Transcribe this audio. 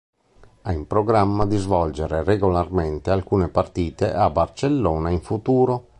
Ha in programma di svolgere regolarmente alcune partite a Barcellona in futuro.